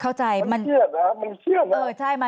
บางทีมันหลายอย่างครับมันเชี่ยวนะ